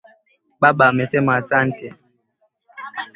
Baba amesema asante.